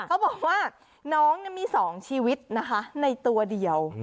เขาบอกว่าน้องมีสองชีวิตในตัวเดียว